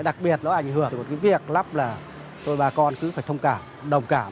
đặc biệt nó ảnh hưởng đến cái việc lắp là thôi bà con cứ phải thông cảm đồng cảm